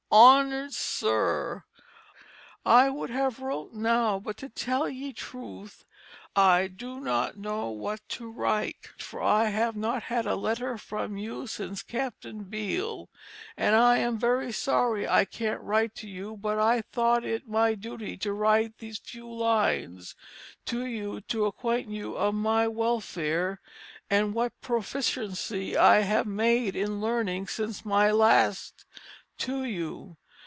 "HONOURED SIR: "I would have wrote now but to tell ye Truth I do not know what to write for I have not had a letter from you since Capt. Beale, and I am very sorry I can't write to you but I thought it my Duty to write these few lines to you to acquaint you of my welfare, and what proficiency I have made in Learning since my Last to you.